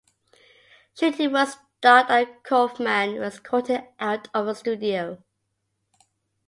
Shooting was stopped and Kaufman was escorted out of the studio.